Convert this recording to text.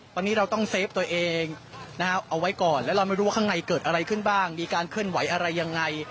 ตอนนี้เราต้องเซฟตัวเองเอาไว้ก่อนและเราไม่รู้ว่าข้างในเกิดอะไรขึ้นบ้างมีการเคลื่อนไหวอะไรยังไง